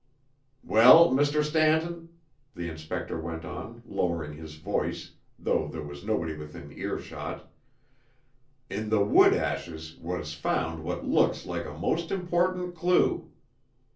"Well, Mr. Stanton," the inspector went on, lowering his voice, though there was nobody within earshot, "in the wood ashes was found what looks like a most important clue.